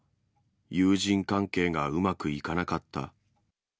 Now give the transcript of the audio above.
友人関係がうまくいかなかった。